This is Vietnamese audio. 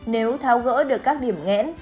nếu tháo gỡ được các điểm nghẽn